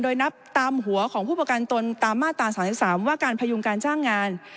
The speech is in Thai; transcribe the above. โดยนับตามหัวของผู้ประกันตนตามมาตรา๓๓ว่าการพยุงการจ้างงาน